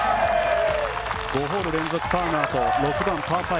５ホール連続パーのあと６番、パー５。